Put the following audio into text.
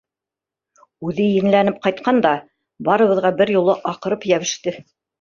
Үҙе енләнеп ҡайтҡан да, барыбыҙға бер юлы аҡырып йәбеште.